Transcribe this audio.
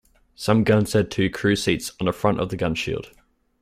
Some guns had two crew seats on the front of the gun shield.